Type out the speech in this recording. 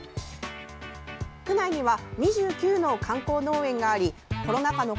区内には２９の観光農園がありコロナ禍の